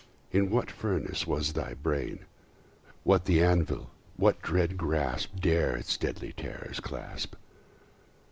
In what furnace was thy brain? What the anvil? what dread grasp Dare its deadly terrors clasp?